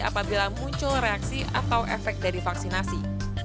apabila muncul reaksi atau efek dari vaksinasi